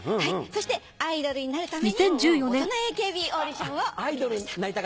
そしてアイドルになるために大人ＡＫＢオーディションを受けました。